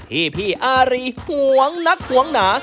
พี่อารีห่วงนักหวงหนา